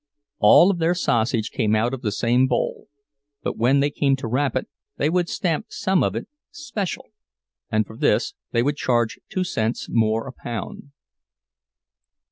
All of their sausage came out of the same bowl, but when they came to wrap it they would stamp some of it "special," and for this they would charge two cents more a pound.